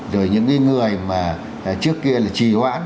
rồi những cái người mà trước kia là trì hoãn